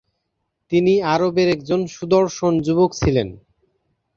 তিনি আরবের একজন সুদর্শন যুবক ছিলেন।